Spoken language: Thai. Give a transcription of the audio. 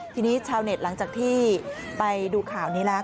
ทีนี้ชาวเน็ตหลังจากที่ไปดูข่าวนี้แล้ว